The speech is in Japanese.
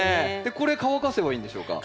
これ乾かせばいいんでしょうか？